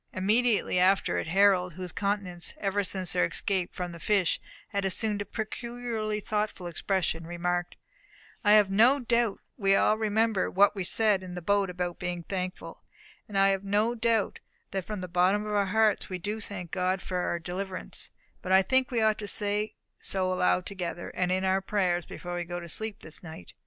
Immediately after it, Harold, whose countenance ever since their escape from the fish had assumed a peculiarly thoughtful expression, remarked: "I have no doubt we all remember what we said in the boat about being thankful; and I have no doubt that from the bottom of our hearts we do thank God for our deliverance; but I think we ought to say so aloud together, and in our prayers, before we go to sleep this night."